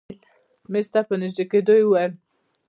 مېز ته په نژدې کېدو يې وويل.